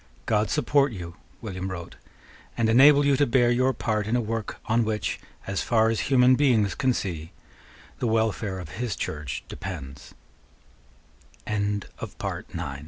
"God support you," William wrote, "and enable you to bear your part in a work on which, as far as human beings can see, the welfare of his Church depend